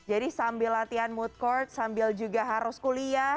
jadi sambil latihan moot court sambil juga harus kuliah